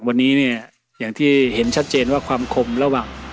วันนี้เนี่ยอย่างที่เห็นชัดเจนว่าความคมระหว่าง